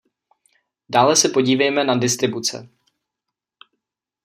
Dále se podívejme na distribuce.